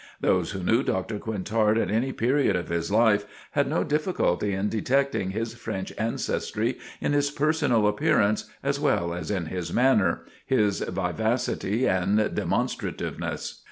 Those who knew Dr. Quintard at any period of his life had no difficulty in detecting his French ancestry in his personal appearance, as well as in his manner, his vivacity and demonstrativeness.